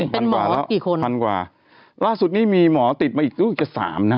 เพราะว่าที่ยะลา๓คน